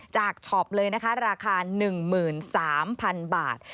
ช็อปเลยนะคะราคา๑๓๐๐๐บาท